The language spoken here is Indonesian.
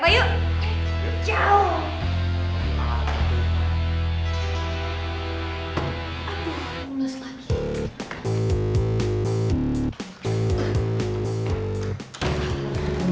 yaudah kalo gitu kita jenguk refah yuk